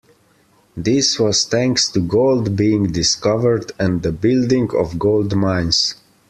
This was thanks to gold being discovered and the building of gold mines.